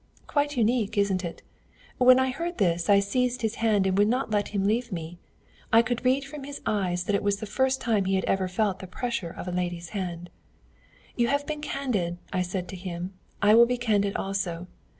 "Quite unique, isn't it? When I heard this I seized his hand and would not let him leave me. I could read from his eyes that it was the first time he had ever felt the pressure of a lady's hand. 'You have been candid,' I said to him, 'I will be candid also.